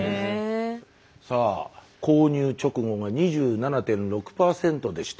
さあ購入直後が２７．６％でした。